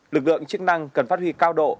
lực lượng chức năng cần phát huy cao độ